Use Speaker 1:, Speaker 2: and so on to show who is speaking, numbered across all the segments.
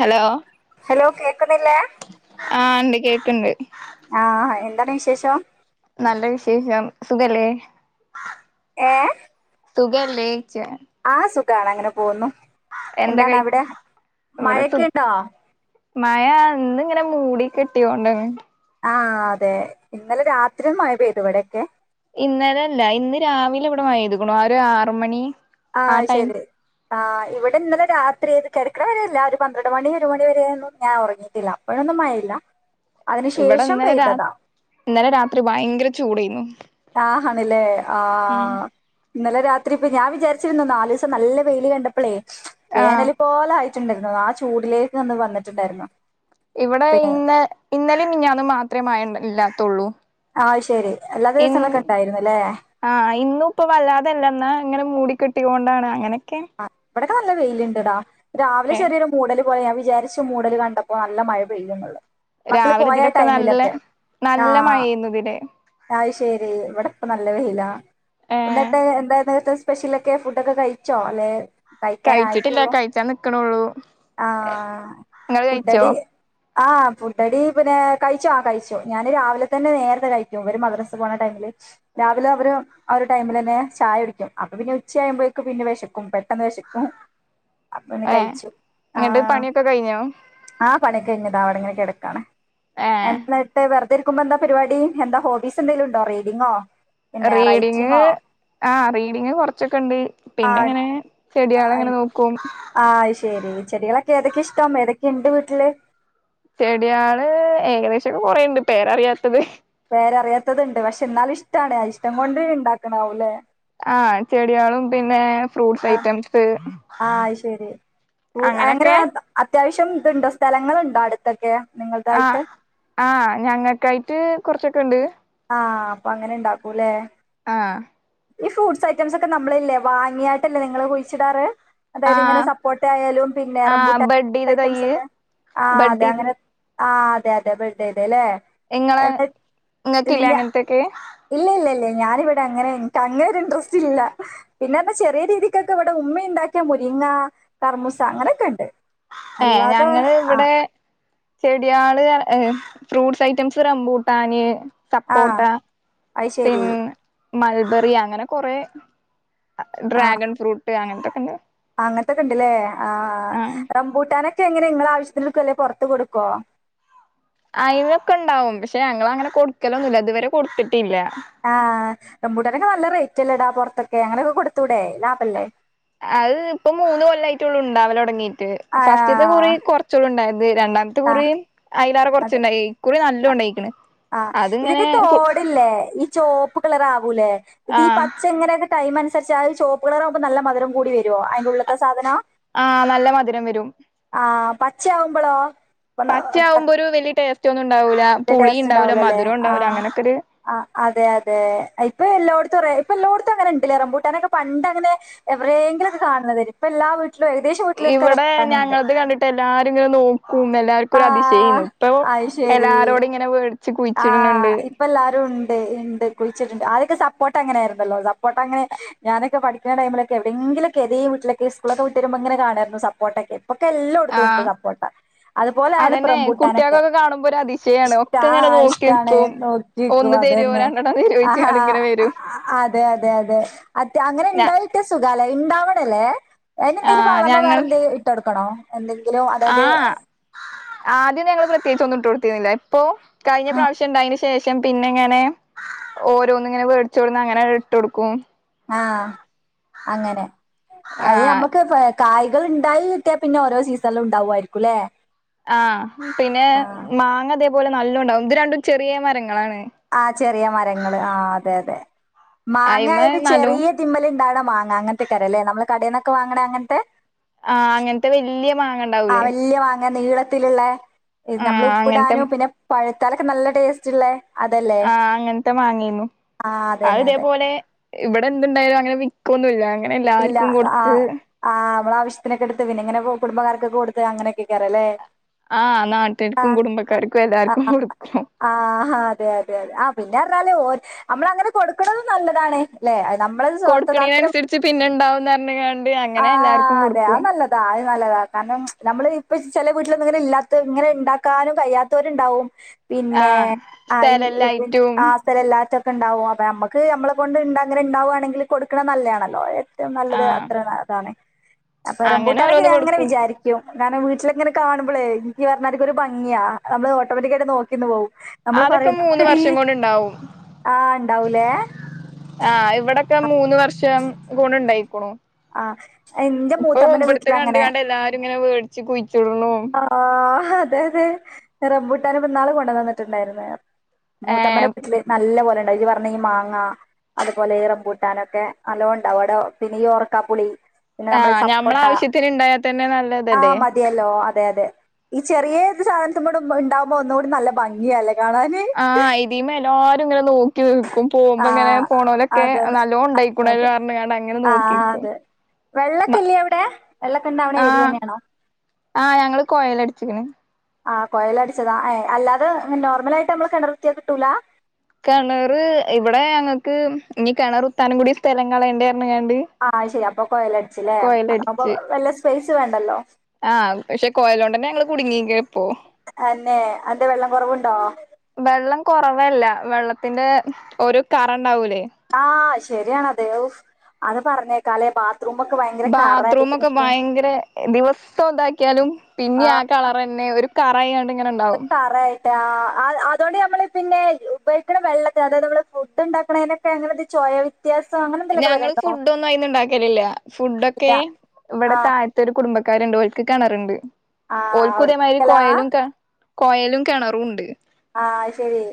Speaker 1: Hello
Speaker 2: hello കേ ക്കുന്നില്ലേ
Speaker 1: കേക്ക്‌ണ്ട്
Speaker 2: ആഹ് എന്താണ് വിശേഷം
Speaker 1: നല്ല വിശേഷം സുഖല്ലേ
Speaker 2: ഏ
Speaker 1: സുഖല്ലേ ഴ്ച
Speaker 2: ആഹ് സുഖാണ് അങ്ങനെ പോകുന്നു
Speaker 1: എന്താ
Speaker 2: എന്താണ്
Speaker 1: കഴി
Speaker 2: അവിടെ
Speaker 1: ഇവിടെ സു
Speaker 2: മഴയെക്കെ ണ്ടോ
Speaker 1: മഴ ഇന്നിങ്ങനെ മൂടി കെട്ടിയോണ്ടാണ്.
Speaker 2: ആഹ് അതെ ഇന്നലെ രാത്രി മഴ പെയ്തു ഇവിടെയൊക്കെ
Speaker 1: ഇന്നലെ അല്ല ഇന്ന് രാവിലെ ഇവിടെ മഴ പെയ്തുക്ക്ണു ഒരു ആറ് മണി ആ
Speaker 2: ആഹ്
Speaker 1: ടൈം
Speaker 2: ശരി ആഹ് ഇവിടെ ഇന്നലെ രാത് ത്രി കെടക്കണ വരെയല്ല ഒരു പന്ത്രണ്ട് മണി ഒരു മണി വരെയൊന്നും ഞാൻ ഒറങ്ങിയിട്ടില്ല അപ്പോഴൊന്നും മഴയില്ല
Speaker 1: ഇവിടെ
Speaker 2: അതിനുശേഷം
Speaker 1: ഇന്നലെ രാ
Speaker 2: പെയ്തതാ
Speaker 1: ഇന്നലെ രാത്രി ഭയങ്കര ചൂടെന്നു
Speaker 2: ആഹ് ണില്ലേ ആഹ് ഇന്നലെ രാത്രി ഇപ്പ ഞാൻ വിചാരിച്ചിരുന്ന നാലീസം നല്ല വെയില് കണ്ടപ്പളേ
Speaker 1: ആ
Speaker 2: വേനല് പോലായി ആ ചൂടിലേക്ക് ഒന്ന് വന്നിട്ടുണ്ടായിരുന്നു
Speaker 1: ഇവിടെ
Speaker 2: ഇപ്പൊ
Speaker 1: ഇന്ന് ഇന്നലെയും മിനിഞ്ഞാന്നും മാത്രേ മഴ ഇല്ലാതു ത്തുള്ളു
Speaker 2: ആ ശരി എല്ലാ ദിവസങ്ങളൊക്കെ ഉണ്ടായിരുന്നു അല്ലേ
Speaker 1: ആഹ് ഇന്നുപ്പോ വല്ലാതെല്ല ഇങ്ങനെ മൂടിക്കെട്ടി ക്കെട്ടിയാണ്ടാണ് അങ്ങനെ ക്കെ
Speaker 2: ഇവിടക്കെ നല്ല വെയിയില്ണ്ടടാ രാവിലെ ചെറിയൊരു മൂടലും പ്പം ഞാൻ വിജാരിച്ചു മൂടല് കണ്ടപ്പം നല്ല മഴ പെയ്യുംന്ന്ള്ളെ മക്കള്
Speaker 1: രാവിലെ
Speaker 2: പോയാ
Speaker 1: ഇതിലൊക്കെ നല്ല
Speaker 2: ടൈമിലൊകെ ആ
Speaker 1: നല്ല മഴേന്നു ഇതിലെ
Speaker 2: അത് ശരി ഇവിടെ പം നല നല്ല വെയിലാ
Speaker 1: ഏ
Speaker 2: എന്നിട്ട് എന്താണ് തസ് സ്പെഷലാെക്കെ ഫുഡൊക്കെ കയ് തോനെ
Speaker 1: കയ്ച്ചിട്ടില്ല കയ്ച്ചാൻ നിക്ക്ണൊള്ളൂ
Speaker 2: ആ
Speaker 1: ഇങ്ങള് കയ്ച്ചോ
Speaker 2: ഫുഡടി ആ ഫുഡഡി പിന്നെ കഴിച്ചു ആ കഴിച്ചു ഞാന് രാവിൽതന്നെ നേരത്തെ കഴിക്കും വര് മദ്റസ് പോണ ടൈമ് ല് രാവിലെ അവര് ആ ഒരു ടൈമിലെന്നെ ചായടിക്കും അപ്പൊ പിന്നെ ഉച്ചായുമ്പഴേക്കും പിന്നെ വെശ് ക്കും പെട്ടെന്ന് വെശക്കും
Speaker 1: ഏ ങ്ങട്ട് പണിയൊക്കെ കയ്ഞ്ഞോ
Speaker 2: ആ പണിയൊക്കെ കയ്ഞ്ഞ് ദാ ഇവടെങ്ങനെ കെടക്കാണ്
Speaker 1: ഏ
Speaker 2: [unintelligible] ഏവര്ക്കും ന്താ പരുപാടി എന്താ ഹോബീസ് എന്തേലുണ്ടോ റീഡിങ്ങോ പിന്നെ
Speaker 1: റീഡിങ്ങ്
Speaker 2: റൈറ്റിങ്ങോ
Speaker 1: ആ റീഡിങ്ങ് കൊറച്ച് ക്കെണ്ട് പിന്നെങ്ങനെ ചെടിയാ അതെങ്ങനെ നോക്കൂം
Speaker 2: ആ അത് ശെരി ചെടികളെ ഏതെക്കെ ഇഷ്ടം ഏതെക്കെണ്ട് വീട്ട്ല്
Speaker 1: ചെട്യാള് ഏകദേശൊക്കെ കെറേണ്ട് പേരറിയാത്തത്
Speaker 2: പേരറിയാത്തത്ണ്ട് പക്ഷേ ന്നാലും ഇഷ്ടാണ് ആ ഇഷ്ടം കൊണ്ട്ണ്ടാക്ക്ണ്ടാവും ലേ
Speaker 1: ആ ചെട്യാളും പിന്നേ ഫ്രൂട്സയ്റ്റംസ്
Speaker 2: ആ അയ്ശെരി [unintelligible] ത്യാവശ്യം ത്‌ണ്ടോ സ്ഥലങ്ങള്ണ്ടോ അട്ത്തൊക്കെ
Speaker 1: ആ ആ ഞങ്ങക്കായ് ട്ട് കുറച്ചൊക്കെണ്ട്
Speaker 2: ആ അപ്പങ്ങാനെണ്ടാക്കൂലേ
Speaker 1: ആ
Speaker 2: ഈ ഫ്രൂട്സ് ഐറ്റംസ് ഒക്കെ നമ്മളില്ലേ വാങ്ങിയാട്ടല്ലേ നിങ്ങള് കുഴിച്ചിടാറ്.
Speaker 1: ആ
Speaker 2: അതായത് ഇങ്ങനെ സപ്പോട്ടേയാലും
Speaker 1: ആഹ്
Speaker 2: റംബൂട്ടാൻ
Speaker 1: ബഡ്ഡീത തയ്യ്
Speaker 2: ഐറ്റംസൊക്കെ ആ അതെ
Speaker 1: ബഡ്ഡീത്
Speaker 2: അങ്ങനെ ആ അതെ അതെ ബെഡെയ്തെല്ലേ
Speaker 1: ഇങ്ങളെ ഇങ്ങ ക്ക്‌ല്ലേ അങ്ങൻതൊക്കെ
Speaker 2: ല്ലല്ലേ ഞാനിവിടെ അങ്ങനെ ഇന്ക് അങ്ങന ഒരു ഇൻട്രസ്റ്റ്ല്ല പിന്നെ ന്നാ ചെറിയ രീതിക്കൊക്കെ ഇവിടെ ഉമ്മ ഉണ്ടാക്കിയ മുരിങ്ങ കറമൂസ അങ്ങനെയൊക്കെ ഉണ്ട്
Speaker 1: ഏ
Speaker 2: അല്ലാതെ
Speaker 1: ഞങ്ങള്
Speaker 2: ആ
Speaker 1: ഇവിടെ ചെടിയള് ഫ്രൂട്ടസ് ഐറ്റംസ് റംമ്പൂട്ടാന്
Speaker 2: ആ
Speaker 1: സപ്പോട്ട
Speaker 2: അത് ശരി
Speaker 1: പിന്നെ മൾബറി അങ്ങനെ കൊറെ ഡ്രാഗൻ ഫ്രൂട്ട അ അങ്ങനന്തൊക്കെണ്ട്
Speaker 2: അങ്ങനത്തൊക്കെ ഇണ്ട് ല്ലേ ആ
Speaker 1: ആഹ്
Speaker 2: റംമ്പൂട്ടാന എങ്ങനെ നിങ്ങ ആവശ്യത്തിനൊക്കെ ള്ളെ പൊറത്ത് കൊടുക്കോ
Speaker 1: അയ്നൊക്കെ ണ്ടാവും പക്ഷെ ഞങ്ങളങ്ങനെ കൊടുക്കലൊന്നുല്ല ഇതുവരെ കൊടുത്തിട്ട്
Speaker 2: ആ റംമ്പൂട്ടാനൊക്കെ നല്ല റേറ്റ്ല്ലെടാ പൊറത്ത് ത്തൊക്കെ അങ്ങനെയൊക്കെ കൊടുത്തൂടേ ലാഭല്ലേ
Speaker 1: അത് ഇപ്പ മൂന്ന് കൊല്ലായിട്ടുള്ളൂ ഇണ്ടാവലൊടങ്ങി ട്ട് ഫസ്റ്റ്ത്തെ കുറി
Speaker 2: ആഹ്
Speaker 1: കുറച്ചൊള്ളു ഇണ്ടായത് രണ്ടാമത്തെ കുറി
Speaker 2: ആഹ്
Speaker 1: അയലാറെ കുറച്ച്ണ്ടായി ഇക്കുറി നല്ല ലുണ്ടായിക്ക്ണ്
Speaker 2: ആ ഇതൊക്കെ തോടില്ലേ ഈ ചോപ്പ് കളറാവൂലേ ഇത് ഈ
Speaker 1: ആഹ്
Speaker 2: പച്ച ഇങ്ങനെനെന്നെ കയ് ച്ചാൽ ചോപ്പ് കളറാകുമ്പോ നല്ല മധരം കൂടി വെരും യ്യോ അതിന്റെ ഉള്ള്ത്തേ സാധന
Speaker 1: ആഹ് നല്ല മധുരം വരും
Speaker 2: ച്ചാകുമ്പളോ
Speaker 1: പച്ച ആകുമ്പൊരു വെല്യ ടേസ്
Speaker 2: ടേസ്റ്റ് ഉണ്ടാവൂലല്ലേ ആ
Speaker 1: ഉണ്ടാവൂല അങ്ങനൊക്കൊരു
Speaker 2: അതെ അതെ ഇപ്പൊ എല്ലോട [unintelligible] ഇപ്പൊ എല്ലോട്ത്തും അങ്ങനെ ണ്ട്ലെ റംമ്പൂട്ടാനൊക്കെ പണ്ട് അങ്ങന എടെയങ്കിലൊക്കെ കാണുന്നുന്നത് ഇപ്പ എല്ലാ വീ
Speaker 1: ഇവിടെ ഞങ്ങളത് കണ്ടിട്ട് എല്ലാരും ങ്ങനെ നോ ക്കും എല്ലാവർക്കും ഒരു
Speaker 2: ആഹ്
Speaker 1: അതിശയേയുന്നു ഇപ്പൊ എല്ലാരോടും ഇങ്ങനെ വേ
Speaker 2: ആ ഇപ്പ എല്ലാരും ഉണ്ട് ണ്ട് ഇണ്ട് കുളിച്ചിട്ണ്ട് ആദ്യോക്കെ ക്കെ സപ്പോർട്ട അങ്ങനെ ആരുന്നല്ലോ പ്പോട്ട അങ്ങനെ ഞാനൊക്കെ പഠിക്ക ടമിലക്കെ എവെടെങ്കിലൊക്കെ ഏതെങ്കിലും വീട്ടിലൊക്കെ സ്കൂളൊക്കെ വിട്ട് വരുമ്പോ ഇങ്ങന കാണേരുന്നു സപ്പോർട്ടൊക്കെ പ്പൊക്കെ എല്ലോടുത്തുണ്ട്
Speaker 1: ആഹ്
Speaker 2: സപ്പോർട്ട അതുപോലെയായല്ലോ ഇപ്പൊ
Speaker 1: അതന്നെ
Speaker 2: റംമ്പൂട്ടാനൊക്കെ
Speaker 1: കുട്ടികൾക്കൊക്കെ കാണുമ്പോ ഒരു അതിശയാണ്
Speaker 2: ഇഷ്ട
Speaker 1: ഒക്കെ ഇങ്ങനെ നോക്കി
Speaker 2: ഇഷ്ടാണ്
Speaker 1: നിക്കും
Speaker 2: നോക്കിക്കും
Speaker 1: ഒന്ന് തരുവോ
Speaker 2: അതെന്നെ
Speaker 1: രണ്ടെണ്ണം
Speaker 2: അ ഹാ
Speaker 1: തരുവോയിച്ചാണ്ട് ഇങ്ങനെ
Speaker 2: അ അ
Speaker 1: വരും
Speaker 2: അതെ അതെ അതെ അത് അങ്ങനെ
Speaker 1: ഞ
Speaker 2: ഇണ്ടായിട്ടിയാ സുഖാല്ലെ ഇണ്ടാവണം ല്ലേ അയിനെന്തേലും
Speaker 1: ആഹ്
Speaker 2: വളമ
Speaker 1: ഞങ്ങൾ
Speaker 2: വേറെന്തേ ഇട്ടോട് ക്കണോ എന്തെങ്കിലും അതായത്
Speaker 1: ആഹ് ആദ്യം ഞങ്ങള് പ്രത്യേകിച്ച് ഒന്നും ഇട്ടോട്ത്തിനില്ല ഇപ്പൊ കഴിഞ്ഞ
Speaker 2: ഉം
Speaker 1: പ്രാവശ്യം ഇണ്ടായെന് ശേഷം പിന്നെ ങ്ങനെ ഓരോന്ന്ങ്ങനെ വേട്‌ചോട്ന്ന് അങ്ങനെ ഇട്ടോട്ക്കും
Speaker 2: ആ അങ്ങനെ
Speaker 1: ആഹ്
Speaker 2: അഹ്നമ്മക്ക് കായ്കൾ ഇണ്ടായി കിട്ടിയ പിന്നെ ഓരോ സീസണിലും ഉണ്ടാവുയിരു ക്കല്ലേ
Speaker 1: ആ പിന്നെ മാങ്ങ തെ പോലെ നല്ലോം ഇണ്ടാവും ഇത് രണ്ടും ചെറിയ മരങ്ങളാണ്
Speaker 2: ആ ചെറിയ മരങ്ങള് ആ അതെ അതെ
Speaker 1: അയിമെ
Speaker 2: മാങ്ങായാലും
Speaker 1: നല്ലോം
Speaker 2: ചെറിയ ഇത് മ്മല് ഇണ്ടാ വ്ണ മാങ്ങ അങ്ങൻത്തെക്കാരെല്ലേ നമ്മളെ കടേന്നക്ക വാങ്ങണ അങ്ങൻത്തെ
Speaker 1: അങ്ങനത്തെ വലിയ മാങ്ങണ്ടാവൂലെ
Speaker 2: ങ്ങ നീളത്തില്ള്ളെ നമ്മള്
Speaker 1: അങ്ങനത്തെ
Speaker 2: ഉപ്പ്ടാനും പിന്നെ പഴ് ഇട്ടാലക്ക നല്ല ടേസ്റ്റ് ഇള്ളെ
Speaker 1: ആ അങ്ങൻത്തെ മാങ്ങെന്നു
Speaker 2: ആഹ്
Speaker 1: അഹ്‌
Speaker 2: അതന്നെ അതെ
Speaker 1: ഇതെപോലെ ഇവിടെ എന്ത്ണ്ടായാലും അങ്ങനെ വിക്കെന്നുല്ല അങ്ങനെ എല്ലാര്ക്കും കൊട്‌ത്തു
Speaker 2: നമ്മള ആശ്യത്തിനെക്കെ എട്ത്ത് പിന്നെ ഇങ്ങനെ കു കുടുംബക്കാർക്കൊക്കെ കൊടുത്ത് അങ്ങനെയെക്കെക്കാരെല്ലേ
Speaker 1: ആഹ്
Speaker 2: ആ
Speaker 1: നാട്ടുകാർക്കും കുടുംബക്കാർക്കും
Speaker 2: അ
Speaker 1: എല്ലാർക്കും
Speaker 2: അ
Speaker 1: കൊടുക്കും
Speaker 2: അ ആ ഹാ അതെ അതെ അതെ ആ പിന്നെർഞ്ഞാല് ഓര് നമ്മള അങ്ങനെ കൊടുക്ക്ണതും നല്ലതാണ്അല്ലെ
Speaker 1: കൊടുക്ക്ണെനൻസരിച്ച് പിന്നെണ്ടാവ് ന്നർകാൺ
Speaker 2: ആ അതെ അഹ്‌ നല്ലതാ നല്ലതാ കാരണം നമ്മള് ഇപ്പ ചെല വീട്ടിലൊന്നു ഇങ്ങനെ ഇല്ലാത്ത ഇങ്ങനെ ഇണ്ടാക്കാനും കഴിയാത്തവര് ണ്ടാവും പിന്നെ
Speaker 1: ആഹ്
Speaker 2: ആ
Speaker 1: സ്ഥലല്ലായിട്ടും
Speaker 2: ആ സ്ഥല ഇല്ലാത്ത ക്ക ഇണ്ടാവും അപ്പൊ നമ്മക്ക് നമ്മളെ കൊണ്ട് ഇണ്ട അങ്ങനെ ഇണ്ടാവാണെങ്കിൽ കൊടുക്ക്ണ നല്ലെ യാണെല്ലോ നല്ലതേ
Speaker 1: ആഹ്
Speaker 2: അണെ അപ്പ
Speaker 1: അങ്ങനെ
Speaker 2: റംബൂട്ടാനെക്കെ
Speaker 1: ഓരോന്ന്
Speaker 2: നാ ഇങ്ങനെ
Speaker 1: കൊടുക്കും
Speaker 2: വിചാരിക്കും ഞാന വീട്ടിലങ്ങനെ കാണുമ്പോളേ എനിക്ക് പറഞ്ഞാർക്കൊ ഒരു ഭംഗിയാ നമ്മള് ഓട്ടോമാറ്റികായിട്ട് നോക്കിന്ന് പോവും നമ്മള്
Speaker 1: അതൊക്കെ
Speaker 2: പറയും
Speaker 1: മൂന്ന് വർഷം
Speaker 2: നോക്കടി
Speaker 1: കൊണ്ടുണ്ടാവും
Speaker 2: ആഹ് ഇണ്ടാവൂലേ
Speaker 1: ആ ഇവിടെ ഇക്ക മൂന്ന് വർഷം കൊണ്ട ഉണ്ടായിക്കണു
Speaker 2: ആഹ് എന്റെ
Speaker 1: ഇപ്പൊ
Speaker 2: മൂത്തമ്മന്റെ
Speaker 1: ഇവിടത്തെ കണ്ട
Speaker 2: വീട്ടിലങ്ങനെ
Speaker 1: കണ്ട് എല്ലാരും ഇങ്ങനെ വേടിച്ചു കുഴിച്ചുടണു
Speaker 2: ആഹ് അതെ അതെ റംബൂട്ടാനെ പിന്നാള് കൊണ്ടന്നന്നിട്ടുണ്ടായിരുന്ന മൂത്തമ്മല
Speaker 1: ഏഹ്
Speaker 2: കുട്ടില് നല്ല പോലെ പറഞ്ഞ മാങ്ങ അതുപോലെ ഇ റംബൂട്ടാൻ ഒക്കെ നല്ലപോലെ അവിടെന്നെഈ കപ്പുളി
Speaker 1: ആഹ ഞമ്മള ആാവശ്യത്തിന് ഉണ്ടായാ തന്നെ നല്ലതല്ലേ
Speaker 2: ആഹ് മതിയല്ലോ അതെ അതെ ഈ ചെറിയത് സാധനത്തി കൂ ഉണ്ടാവുമ്പോ ഒന്നുംകൂടി നല്ല ഭംഗിയല്ല
Speaker 1: ആഹ ഇതീമേ എല്ലാവരും ഇങ്ങനെ തോും പോുമ്പോങ്ങനെ
Speaker 2: ആഹ്
Speaker 1: പോണലൊക്കെ
Speaker 2: അതന്നെ
Speaker 1: നല്ലോ ഉണ്ടായി
Speaker 2: അതെ
Speaker 1: കാരങ്ങനെ നോക്ക
Speaker 2: ആഹ് അതെ വെള്ളൊക്കെല്ലേ അവിടെ വെള്ളൊക്കെ ഇണ്ടാവണ ഏരിയന്നെയാണോ
Speaker 1: ആ ഞങ്ങ കുച്ചിക്കണ
Speaker 2: ആഹ് കൊയല അടിച്ചതാ ഏ അല്ലാതെ നോർമല ആയിട്ട് നമ്മള് കിണർ കുത്തിയാൽ കിട്ടൂല
Speaker 1: കിണർ ഇവിടെ ഞക്ക് ഇനി കിണർ കു ത്താനം കൂടി സ്ഥലം കളയണ്ടേ പറഞ്ഞ്ങ്ങാണ്ട്
Speaker 2: ആഹ് ശരി അപ്പൊ കൊയലടിച്ചില്ലേ അതപ്പ
Speaker 1: കൊയലടിച്ച്
Speaker 2: വല്ല സ്പേ വേണ്ടല്ലോ
Speaker 1: ആഹ് പക്ഷെ കോയലോണ്ടന്നെ ഞങ്ങള് കുടുങ്ങിപ്പോ
Speaker 2: തന്നെ അന്റെ വെള്ളം കുറവുണ്ടോ
Speaker 1: വെള്ളം കുറവല്ല വെള്ളത്തിന്റെ ഒരു കറ ണ്ടാവലേ
Speaker 2: ശരിയാണോ ദേവ് അത് പറഞ്ഞേക്കാലേ ഒക്കെ ഭയങ്കര
Speaker 1: ബാത്റൂമ
Speaker 2: കറായിട്ട്
Speaker 1: ഒക്കെ
Speaker 2: നിക്കും
Speaker 1: ഭയങ്കര ദിവസം ഇതാക്കിയാലും പിന്നെ ആ കളർ തന്നെ ഒരു കറയണ്ട
Speaker 2: റായിയിട്ടാ അതുകൊണ്ട് നമ്മള് പിന്നെ ഉപയോഗിക്കണ വെള്ളത്തി അതായത് നമ്മള് ഫുഡ് ഉണ്ടാക്കണതിനൊക്കെ അങ്ങനെ ഇത് ചോയ വ്യത്യാസം അങ്ങനെ എന്തെങ്കിലുമൊക്കെ
Speaker 1: ഞങ്ങള്ൾ
Speaker 2: വരുന്നുണ്ടോ
Speaker 1: ഫുഡ ഒന്നും അയിന്ന് ഉണ്ടാക്കലില്ല ഫുഡൊക്കെ
Speaker 2: ഇല്ല
Speaker 1: ഇവിടെ
Speaker 2: ആ
Speaker 1: താഴത്തെ ഒരു കുടുംബ രണ്ടുോഴക്ക് കാണാറുണ്ട്
Speaker 2: ആ
Speaker 1: ഓൽകു തയമാതിരി
Speaker 2: അവിടുത്തെ ആ
Speaker 1: കോയാലുംക്കെ കോയലും കിണറും ഉണ്ട്
Speaker 2: ആഹ ശരി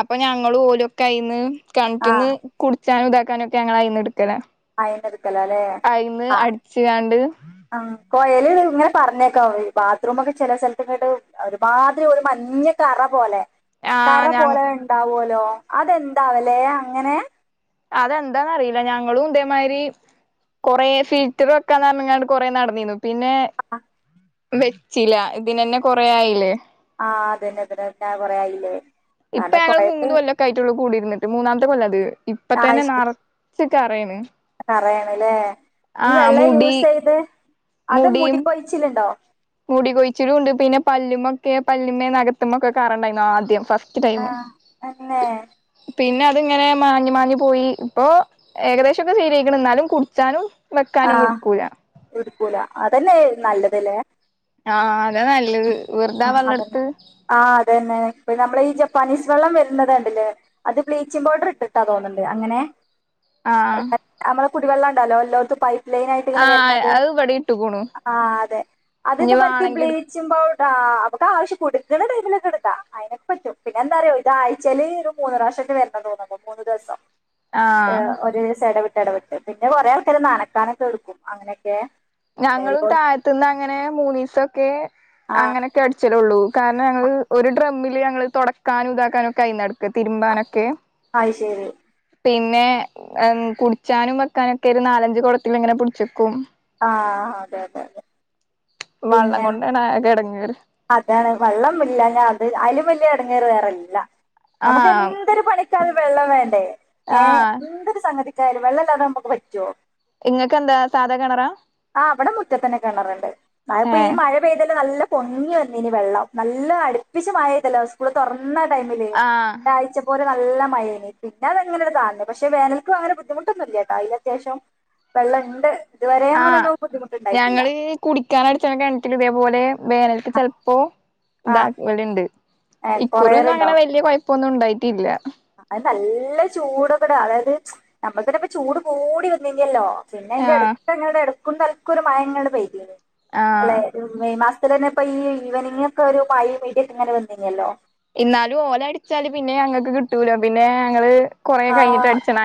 Speaker 1: അപ്പൊ ഞങ്ങൾ ഓലൊക്കെ അയിന്ന്
Speaker 2: ആ
Speaker 1: കണിട്ടന്ന് കു ചാനുദാക്കാാന ഞങ്ങള
Speaker 2: അയിനെടുക്കലോ അല്ലേ
Speaker 1: കയിന്ന് അടിച്ചുകാണ്ട്
Speaker 2: കൊയല ഇങ്ങനെ പറഞ്ഞേക്കാം ബാത്റൂമൊക്കെ ചില സ്ഥലത്ത കേട്ട് ഒരുമാതിരി ഒരു മഞ്ഞ കറ പോലെ
Speaker 1: ആ
Speaker 2: കറ
Speaker 1: ഞ
Speaker 2: പോലെ ഇ ണ്ടാവോൽ അതെന്താവലേ അങ്ങനെ
Speaker 1: അതെന്താന്നറിയില്ല ഞങ്ങളും ഇതേമാതിരി കൊറേ ഫിൽറ്റർ അദെന്താനറിയില്ലഞങ്ങളും ഇ ദേ മാതിരി കുറെ ഫിൽറ്റർ വെക്കാൻ പറഞ്ഞു നടന്നിരുന്നു കൊറെ നടന്നിരു ന്നു പിന്നെ വെച്ചില്ല ഇതിനന്നെ കൊറേ ആയില്ലേ
Speaker 2: ആഹ് അതന്നെ അതന്നെ കൊറേ ആയില്ലേ
Speaker 1: ഇപ്പൊ
Speaker 2: അങ്ങനെ
Speaker 1: ഞങ്ങള്
Speaker 2: കൊഴല്
Speaker 1: മൂന്ന് കൊല്ലൊക്കെ ആയിട്ടുള്ളൂ കൂടിട്ട് എന്നിട്ട് മൂന്നാമത്തെ കൊല്ലാത് ഇപ്പൊ തന്നെ നാറെ [unintelligible]
Speaker 2: കറയാണ് ല്ലേ ഈ വെള്ളം
Speaker 1: മുടി
Speaker 2: യൂസ് ചെയ്ത് അത് മുടി കൊയിച്ചില്ണ്ടോ
Speaker 1: മുടികൊയിച്ചിലും ഉണ്ട് പിന്നെ പല്ലി മൊക്കെ പല്ല്മ്മേ നഖത്തുമൊക്കെ കറണ്ടായിരുന്നു ആദ്യം ഫസ്റ്റ് ടൈം
Speaker 2: ആ അന്നെ
Speaker 1: പിന്നെ അതിങ്ങനെ മാഞ്ഞു മാഞ്ഞു പോയി ഇപ്പൊ ഏകദേശമൊക്കെ ശരിയായിക്കണ് എന്നാലും കുടിച്ചാനും
Speaker 2: ആ
Speaker 1: വെക്കാനും ഒന്നും എടുക്കൂല
Speaker 2: എടുക്കൂല അതന്നെ നല്ലതല്ലേ
Speaker 1: ആ അതാ നല്ലത് വെറുതാ
Speaker 2: ആ അതന്നെ
Speaker 1: വള്ളടുത്ത്
Speaker 2: ആ അതുതന്നെ ഇപ്പ നമ്മൾ ഈ ജപ്പാനീസ് വെള്ളം വരുന്നുന്നത് കണ്ടില്ലേ അത് ബ്ലീച്ചിങ് പൗഡർ ഇട്ടിട്ടാ തോന്നുന്നുണ്ട് അങ്ങനെ
Speaker 1: ആ ആ
Speaker 2: കുടിവെള്ളംണ്ടല്ലോ എല്ലോത്തു പൈപ്പ് ലൈനായിട്ടിങ്ങനെ
Speaker 1: ആഹ്
Speaker 2: വരുന്നത്
Speaker 1: അത് ഇവിടെ ഇട്ടുക്കുണു
Speaker 2: ആ അതെ
Speaker 1: ഇനി
Speaker 2: അതെന്താ മറ്റേ
Speaker 1: വാണെങ്കി എടു
Speaker 2: ബ്ലീച്ചിങ്‌ പൗഡ ആ അമ്മക്ക് ആവശ്യ കൊടുക്കുന്ന ടൈമിലൊക്കെ എടുക്കാം അതിനൊക്കെ പറ്റും പിന്നെ എന്താറിയോ ഇതായ്ച്ചാല് ഒരു മൂന്ന് പ്രാവശ്യമൊക്കെ വരണ തോന്നുന്നു മൂന്ന് ദിവസം ആ
Speaker 1: ആഹ്
Speaker 2: ഒരു ദിവസം എട വിട്ട് ഇടപെട്ട് പിന്നെ കൊറെ ആൾക്കാര് നനക്കാനൊക്കെ എടുക്കും അങ്ങനെയൊക്കെ
Speaker 1: ഞങ്ങളും
Speaker 2: എല്ലോ-
Speaker 1: താഴത്തുന്ന് അങ്ങനെ മൂന്നീസൊക്കെ
Speaker 2: ആ
Speaker 1: അങ്ങനൊക്കെ അടിച്ചലുള്ളൂ കാരണം ഞങ്ങള് ഒരു ഡ്രമ്മില് ഞങ്ങള് തൊടക്കാനും ഇതാക്കാനൊക്കെ അയി നടക്കുക തിരുമ്പാനൊക്കെ
Speaker 2: അയിശരി
Speaker 1: പിന്നെ കുടിച്ചാനും വെക്കാനൊക്കെ ഒരു നാലഞ്ച് കുടത്തിലിങ്ങനെ പിടിച്ചേക്കും
Speaker 2: ആ അതെ അതെ അതെ
Speaker 1: വള്ളം
Speaker 2: പിന്നെ
Speaker 1: കൊണ്ടാണ് ആകെ എടങ്ങേറ്
Speaker 2: അതാണ് വെള്ളം ഇല്ലാഞ്ഞ അത് അയിലുംവല്ല്യ ടങ്ങേറ് വേറെല്ല നമുക്ക്
Speaker 1: ആഹ്
Speaker 2: എന്തൊരു പണിക്കാലും വെള്ളം വേണ്ടേ? ഏ
Speaker 1: ആഹ്
Speaker 2: എന്തൊരു സംഗതി ആയാലും വെള്ളല്ലാതെ നമുക്ക് പറ്റുമോ?
Speaker 1: ഇങ്ങക്കെന്താ സാധാ കെണറാ?
Speaker 2: ആ ഇവിടെ മുറ്റത്തന്നെ കെണറുണ്ട് അത് ഇപ്പോ ഈ
Speaker 1: ഏഹ്
Speaker 2: മഴ പെയ്തേല് നല്ല പൊങ്ങി വന്നീനി വെള്ളം നല്ല അടുപ്പിച്ച് മയ പെയ്തല്ലോ ഉസ്കൂള് തൊറ ഇന്നാ ടൈമിൽ
Speaker 1: ആഹ്
Speaker 2: ഒരാഴ്ച പോലെ നല്ല മയെനി പിന്നെ അതെങ്ങനെങ്ങട് താന്ന് പക്ഷേ വേനൽക്കും അങ്ങനെ ബുദ്ധിമുട്ടൊന്നും ഇല്ല ട്ടോ അയില് അത്യാവശ്യം വെള്ളം ഇണ്ട് ഇതുവരെ അങ്ങനൊ
Speaker 1: ആഹ് ഞങ്ങള് കുടിക്കാനടിച്ചണ കെണറ്റിൽ ഇതേപോലെ വേനൽക്ക് ചെൽപ്പോ
Speaker 2: ആ
Speaker 1: ഇതാക്കലുണ്ട്
Speaker 2: ഏ,
Speaker 1: ഇക്കുറൊന്നും
Speaker 2: കൊറേറുണ്ടോ
Speaker 1: അങ്ങനെ വല്ല്യ കൊയ ഇപ്പൊന്നും ണ്ടായിട്ടില്ല
Speaker 2: അത് നല്ല ചൂടൊക്കൊട അതായത് നമ്മൾ തന്നെ പ്പ ചൂട് കൂടി വന്നീനല്ലോ പിന്നെ അയിന്റെ
Speaker 1: ആഹ്
Speaker 2: അടുത്തന്നെ [unintelligible] ടക്കും തൽക്കും ഒരു മയങ്ങനെ പെയ്തിനി അല്ല
Speaker 1: ആഹ്
Speaker 2: ഇത് മെയ് മാസ ഇപ്പ തന്നെ ഇപ്പ ഈ ഈവനിങ്ങക്കെ ഒരു മയിം ഇടിയൊക്കെ ഇങ്ങനെ വന്നി ന്യല്ലോ
Speaker 1: ഇന്നാലും ഓല് അടിച്ചാല് പിന്നെ ഞങ്ങൾക്ക് കിട്ടൂല പിന്നെ ഞങ്ങള് കൊറെ
Speaker 2: ആ
Speaker 1: കഴിഞ്ഞിട്ട് അടിച്ചണം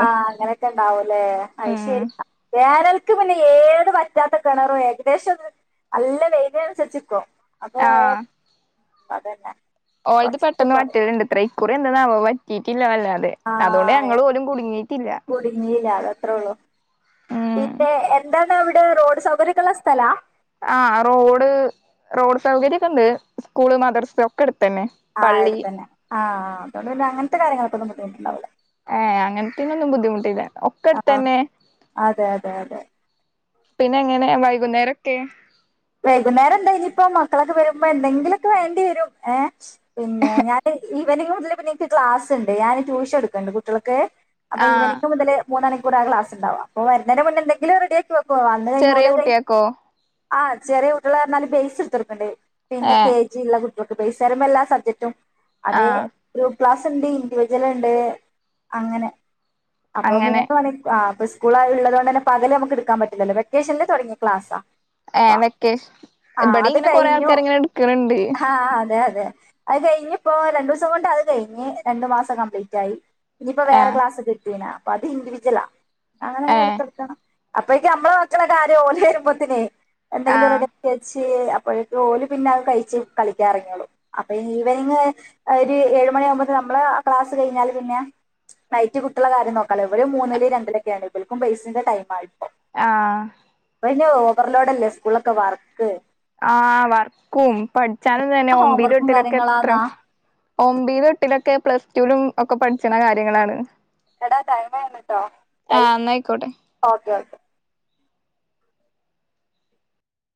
Speaker 2: ആ അങ്ങനെയൊക്കെ ഉണ്ടാവല്ലേ
Speaker 1: ഉം
Speaker 2: അയ്ശെരി വേ വേനൽക്ക് പിന്നെ ഏത് വറ്റാത്ത കിണറും ഏകദേശം നല്ല വെയിലിനനുസരിച്ചിക്കും അപ്പൊ അതന്നെ
Speaker 1: ഓൾത്
Speaker 2: കൊറച്ച്
Speaker 1: പെട്ടന്ന്
Speaker 2: കൊറയും
Speaker 1: വറ്റല്ലിണ്ട് ഇത്രെ കുറേ എന്താന്നാവോ വറ്റീട്ടി ഇല്ലല്ല അതെ അതോണ്ട്
Speaker 2: ആഹ്
Speaker 1: ഞങ്ങളും ഓലും കുടുങ്ങീട്ടില്ല
Speaker 2: കുടുങ്ങിയില്ല അതത്രേ ഉള്ളൂ
Speaker 1: ഉം
Speaker 2: നിങ്ങളിവിടെ റോഡ് സൗകര്യോക്കൊള്ള സ്ഥലാ
Speaker 1: ആ റോഡ് റോഡ് സൗകര്യൊക്കെ ഉണ്ട് സ്കൂള് മദ്റസ് ഒക്കെ അടു
Speaker 2: ആയടുത്തന്നെ ആഹ് ആഹ് അതുകൊണ്ട്ന്നെ അങ്ങനത്തെ കാര്യങ്ങൾക്കൊന്നും ബുദ്ധിമുട്ടാവൂല
Speaker 1: ഏ അങ്ങനത്തിനൊന്നും ബുദ്ധിമുട്ടില്ല ഒക്കെ
Speaker 2: ആഹ്
Speaker 1: അടുത്തന്നെ
Speaker 2: അതെ അതെ അതെ
Speaker 1: പിന്നെ എങ്ങനെ വൈകുന്നേരൊക്കെ
Speaker 2: വൈകുന്നേരം എന്താ ഇനിയിപ്പോ മക്കളൊക്കെ വരുമ്പോ എന്തെങ്കിലുക്കെ വേണ്ടി വരും ഏ പിന്നെ ഞാൻ ഈവനിങ് മുതൽ പിന്നെ എനിക്ക് ക്ലാസ്ണ്ട് ഞാന് ട്യൂഷൻ എടുക്കണ്ട് കുട്ടികൾക്ക് അപ്പൊ
Speaker 1: ആഹ്
Speaker 2: ഈവെനിംഗ് മുതല് മൂന്നണി പ്പളാക്ലാസ് ഉണ്ടാകുക അപ്പോ വരുന്നേന് മുന്നെന്തെിലും റെഡിയാക്കി വക്കും
Speaker 1: ചെറിയ കുട്ട്യാക്കോ
Speaker 2: ആ ചെറിയ കുട്ടിയാളെന്ന് പറഞ്ഞാൽ ബേസ് എടുത്തൊടുക്കണ്ടേയ് പിന്നെ.
Speaker 1: ഏഹ്
Speaker 2: കെ ജ ള്ള കു [unintelligible] എല്ലാ സബ്ജക്റ്റും അതേ
Speaker 1: ആഹ്
Speaker 2: ഒ ക്ലാസ്ണ്ട് ഇൻഡിവിജല്ണ്ട് അങ്ങനെ അപ്പൊ മൂന്ന്
Speaker 1: അങ്ങനെ
Speaker 2: ണിക്ക് ആ ഇപ്പ സ്കൂളാർ ഉള്ളത് കൊണ്ട് തന്നെ പകല് ഞമ്മക്ക് എട്ക്കാൻ പറ്റില്ലല്ലോ വെക്കേഷനിൽ തുടങ്ങിയ ക്ലാസാ
Speaker 1: ഏ വെക്കേഷ് ഇബടീങ്ങനെ കൊറേ
Speaker 2: കഴിഞ്ഞു
Speaker 1: ആൾക്കാർ ഇങ്ങനെ ഇടുക്ക്ണണ്ട്
Speaker 2: ആഹ് അതെ അതെ അത് കഴിഞ്ഞ്പ്പോ രണ്ടൂസം കൊണ്ട് അത് കഴിഞ്ഞ് രണ്ടു മാസം കംപ്ലീറ്റ് ആയി ഇഞ്ഞിപ്പൊ വേറെ
Speaker 1: ആഹ്
Speaker 2: ക്ലാസ് കിട്ടീനാ അത് ഇൻ്റിവിജലാ അങ്ങനങ്ങനെ
Speaker 1: ഏഹ്
Speaker 2: എടുത്തൊടുക്കണം അപ്പേക്ക് ഞമ്മളെ മക്കള കാര്യം ഓല് വരുമ്പത്തിനെ എന്തെങ്കിലും
Speaker 1: ആഹ്
Speaker 2: റെഡിക്കി വെച്ച് അപ്പോഴക്ക് ഓല് പിന്നത് കഴിച്ച് കളിക്കാറങ്ങിയുള്ളൂ അപ്പൊ ഈവനിങ് ഒരു ഏഴ് മണി ആകുമ്പൊത്തിന് ഞമ്മള് ക്ലാസ് കഴിഞ്ഞാല് പിന്നെ നൈറ്റ് കുട്ടികളെ കാര്യം നോക്കാലോ ഇവര് മൂന്നില് രണ്ടിലൊക്കെയാണ് ഇവർക്കു ബേസിന്റെ ടൈമാ ഇപ്പോ
Speaker 1: ആഹ്
Speaker 2: [unintelligible] ഓവർലോടല്ലേ സ്കൂളിലൊക്കെ വർ
Speaker 1: ആ വർക്കും പഠിച്ചാലും തന്നെ ഒമ്പിലും
Speaker 2: ഹോംവർക്കും
Speaker 1: എട്ടിലൊക്കെ എത്രെ
Speaker 2: കാര്യങ്ങളാന്നാ
Speaker 1: ഒമ്പിലും എട്ടിലൊക്കെ പ്ലസ്ട്ടുലും ഒക്ക പഠിച്ചണ കാര്യങ്ങളാണ്
Speaker 2: എടാ ടൈംകഴിഞ്ഞിട്ടൊ ടൈം
Speaker 1: ആഹ് ന്നാ അയ്ക്കോട്ടെ
Speaker 2: ഓക്കെ ഓക്കെ